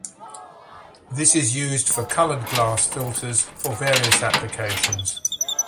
This is used for colored glass filters for various applications.